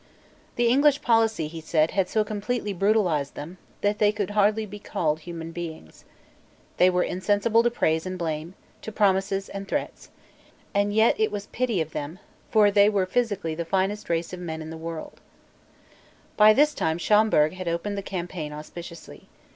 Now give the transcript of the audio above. The English policy, he said, had so completely brutalised them, that they could hardly be called human beings. They were insensible to praise and blame, to promises and threats. And yet it was pity of them; for they were physically the finest race of men in the world, By this time Schomberg had opened the campaign auspiciously.